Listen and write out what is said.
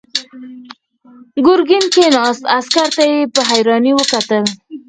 ګرګين کېناست، عسکر ته يې په حيرانۍ وکتل.